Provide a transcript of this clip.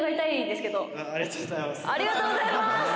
ありがとうございます。